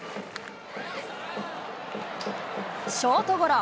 ショートゴロ。